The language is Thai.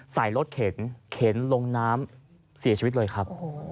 ใส่รถเข็นเข็นลงน้ำเสียชีวิตเลยครับ